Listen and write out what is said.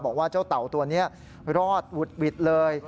บอกว่าเจ้าเต่าตัวนี้รอดหวุดหวิดเลย